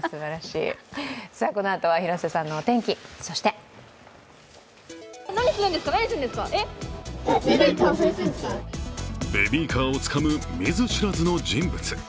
このあとは広瀬さんのお天気、そしてベビーカーをつかむ見ず知らずの人物。